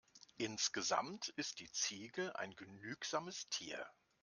Insgesamt ist die Ziege ein genügsames Tier.